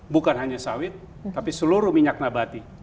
bukan hanya sawit tapi seluruh minyak nabati